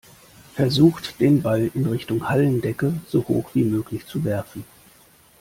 Versucht den Ball in Richtung Hallendecke so hoch wie möglich zu werfen.